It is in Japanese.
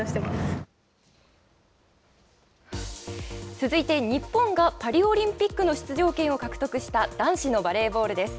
続いて日本がパリオリンピックの出場権を獲得した男子のバレーボールです。